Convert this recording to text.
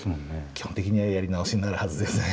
基本的にはやり直しになるはずですね。